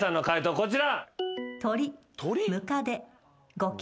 こちら。